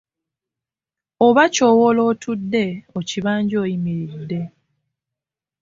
Oba ky'owola otudde, okibanja oyimiridde.